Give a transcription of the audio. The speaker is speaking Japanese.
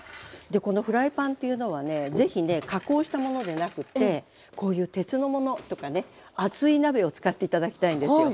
このフライパンというのはねぜひね加工したものでなくってこういう鉄のものとかね厚い鍋を使って頂きたいんですよ。